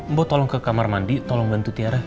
mbo tolong ke kamar mandi tolong bantu tiara